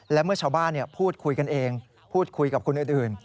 และเมื่อชาวบ้านพูดคุยกันเองพูดคุยกับคนอื่น